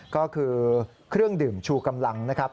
ก็คือเครื่องดื่มชูกำลังนะครับ